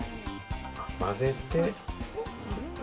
混ぜて。